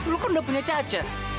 lu kan udah punya cacat